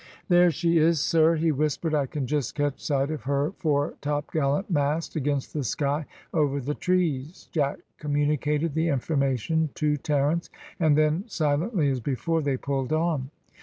"There she is, sir," he whispered. "I can just catch sight of her fore topgallant mast against the sky, over the trees." Jack communicated the information to Terence, and then, silently as before, they pulled on.